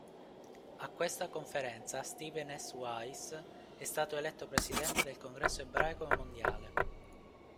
A questa conferenza Stephen S. Wise è stato eletto presidente del "Congresso ebraico mondiale".